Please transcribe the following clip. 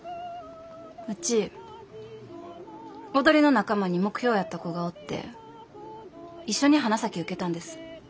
ウチ踊りの仲間に目標やった子がおって一緒に花咲受けたんです。